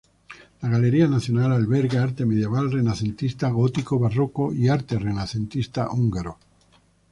La Galería Nacional alberga arte medieval, renacentista, gótico, barroco y arte renacentista húngaro.